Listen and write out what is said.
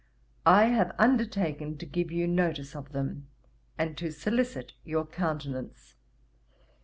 I have undertaken to give you notice of them, and to solicit your countenance.